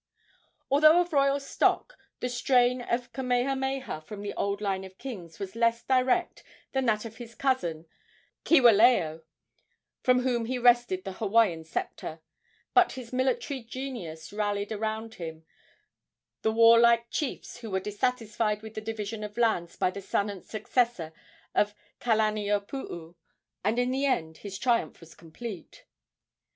Although of royal stock, the strain of Kamehameha from the old line of kings was less direct than that of his cousin, Kiwalao, from whom he wrested the Hawaiian sceptre; but his military genius rallied around him the warlike chiefs who were dissatisfied with the division of lands by the son and successor of Kalaniopuu, and in the end his triumph was complete.